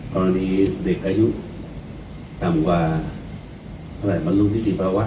กรณีเด็กอายุต่ำกว่าเท่าไหร่บรรลุนิติภาวะ